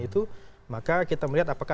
itu maka kita melihat apakah